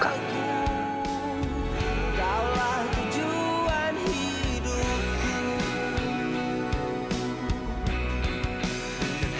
kau adalah tujuan hidupku